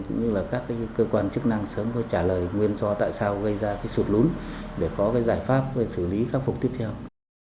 cũng như là các cơ quan chức năng sớm có trả lời nguyên do tại sao gây ra cái sụt lún để có cái giải pháp xử lý khắc phục tiếp theo